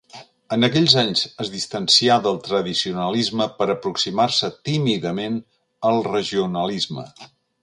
En aquells anys es distancià del tradicionalisme per a aproximar-se tímidament al regionalisme.